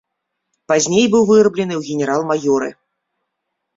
Пазней быў выраблены ў генерал-маёры.